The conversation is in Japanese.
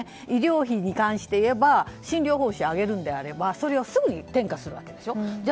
医療費に関しては診療報酬を上げるのであればそれをすぐに転嫁するわけでしょ。